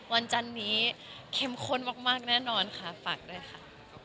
จันนี้เข้มข้นมากแน่นอนค่ะฝากด้วยค่ะ